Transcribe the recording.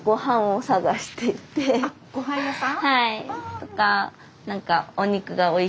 はい。